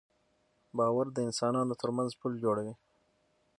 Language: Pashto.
باور د انسانانو تر منځ پُل جوړوي.